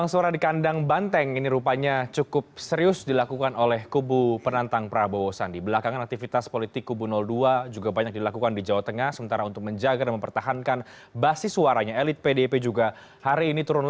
sebelumnya prabowo subianto